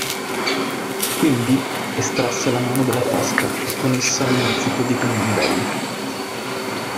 Quindi estrasse la mano dalla tasca e con essa un mazzetto di grimaldelli.